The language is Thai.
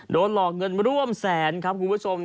โดนหลอกเงินร่วมแสนครับคุณผู้ชม